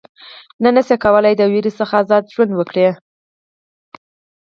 نه شي کولای د وېرې څخه آزاد ژوند وکړي.